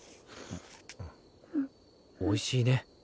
おいしいね